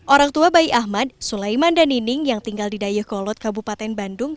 orang tua bayi ahmad sulaiman dan nining yang tinggal di dayakolot kabupaten bandung